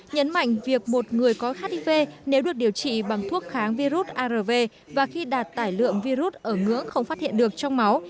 nhấn mạnh việc một người có hiv nếu được điều trị bằng thuốc kháng virus arv và khi đạt tải lượng virus ở ngưỡng không phát hiện được trong máu